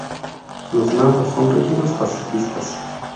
Los Naboo son rígidos pacifistas.